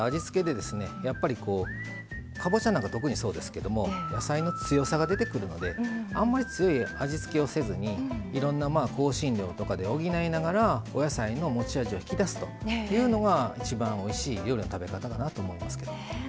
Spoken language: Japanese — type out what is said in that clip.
やっぱりこうかぼちゃなんか特にそうですけども野菜の強さが出てくるのであんまり強い味付けをせずにいろんな香辛料とかで補いながらお野菜の持ち味を引き出すというのが一番おいしい料理の食べ方だなと思いますけど。